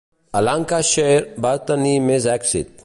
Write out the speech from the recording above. A Lancashire va tenir més èxit.